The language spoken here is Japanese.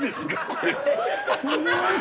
これ。